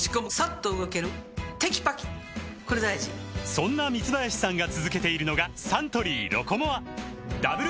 そんな三林さんが続けているのがサントリー「ロコモア」ダブル